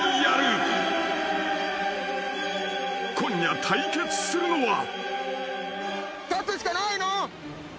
［今夜対決するのは］